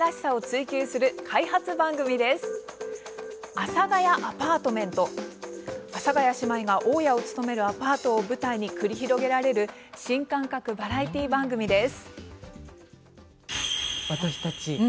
阿佐ヶ谷姉妹が大家を務めるアパートを舞台に繰り広げられる新感覚バラエティー番組です。